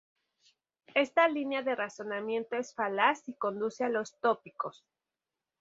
Esta línea de razonamiento es falaz y conduce a los tópicos.